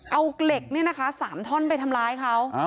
เอาเหล็กเนี่ยนะคะ๓ท่อนไปทำร้ายเขา